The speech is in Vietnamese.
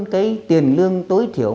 cái tiền lương tối thiểu